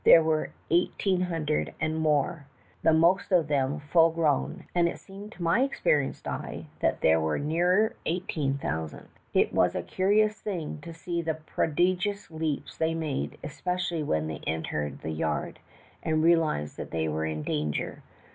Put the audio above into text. There were eight een hundred and more, the most of them full grown, and it seemed to my experienced eyes that there were nearer eighteen thousand. "It was a curious thing to see the prodigious leaps they made, especially when they entered the yard, and realized that they were in danger.